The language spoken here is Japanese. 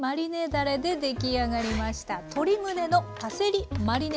だれで出来上がりました